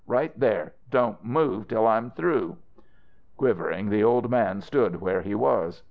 Right there! Don't move till I'm through!" Quivering the old man stood where he was.